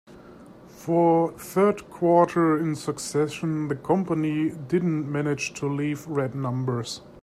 For the third quarter in succession, the company didn't manage to leave red numbers.